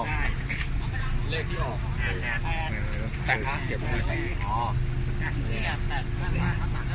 หัวทิศทางที่นอนของอายุไม่โอเค